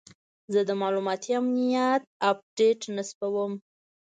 زه د معلوماتي امنیت اپډیټ نصبوم.